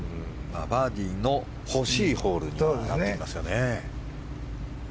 バーディーの欲しいホールにはなってきますよね。